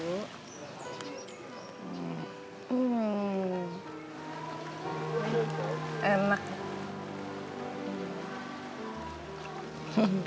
kalo lu pikir segampang itu buat ngindarin gue lu salah din